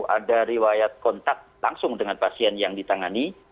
ada riwayat kontak langsung dengan pasien yang ditangani